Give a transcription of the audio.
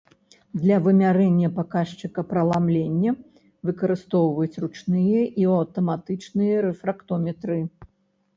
Для вымярэння паказчыка праламлення выкарыстоўваюць ручныя і аўтаматычныя рэфрактометры.